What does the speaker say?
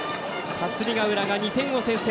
霞ヶ浦が２点を先制。